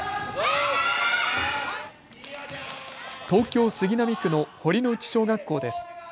東京杉並区の堀之内小学校です。